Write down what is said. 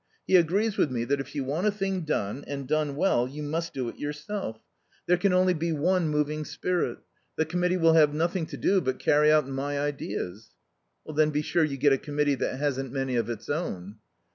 He agrees with me that if you want a thing done, and done well, you must do it yourself. There can only be one moving spirit. The Committee will have nothing to do but carry out my ideas." "Then be sure you get a Committee that hasn't any of its own."